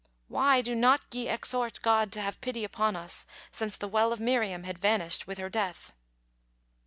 Why do not ye exhort God to have pity upon us since the well of Miriam had vanished with her death?"